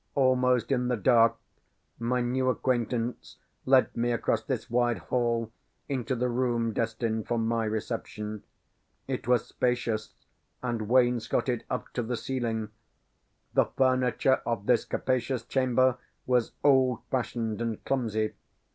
Almost in the dark my new acquaintance led me across this wide hall into the room destined for my reception. It was spacious, and wainscoted up to the ceiling. The furniture of this capacious chamber was old fashioned and clumsy.